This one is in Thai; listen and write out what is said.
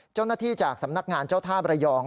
เจ้าหน้าที่จากสำนักงานเจ้าท่าบรยอง